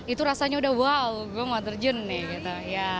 itu rasanya udah wow gue mau terjun nih gitu